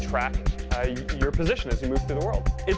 jadi bisa menghubungi posisi anda saat anda berpindah ke dunia